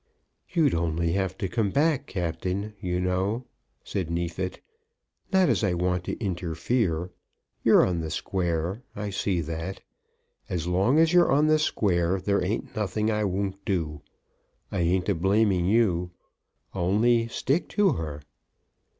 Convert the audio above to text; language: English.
"You'd only have to come back, Captain, you know," said Neefit. "Not as I want to interfere. You're on the square, I see that. As long as you're on the square, there ain't nothing I won't do. I ain't a blaming you, only stick to her."